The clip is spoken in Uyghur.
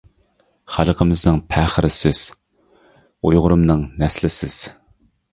خەلقىمىزنىڭ پەخرى سىز، ئۇيغۇرۇمنىڭ نەسلى سىز.